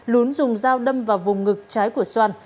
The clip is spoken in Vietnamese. lún dùng dao đâm vào vùng ngực trái của soan